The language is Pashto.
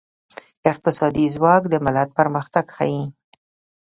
اقتصادي ځواک د ملت پرمختګ ښيي.